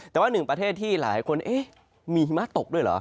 แต่ว่าหนึ่งประเทศที่หลายคนเอ๊ะมีหิมะตกด้วยเหรอ